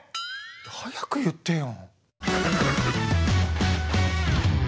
早く言ってよ。